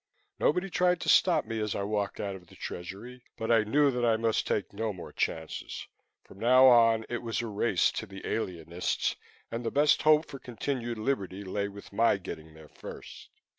Nobody tried to stop me as I walked out of the Treasury but I knew that I must take no more chances. From now on it was a race to the alienists, and the best hope for continued liberty lay with my getting there first.